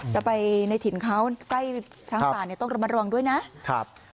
จะไปในถิ่นเขาใกล้ช้างป่าเนี่ยต้องระมัดระวังด้วยนะครับ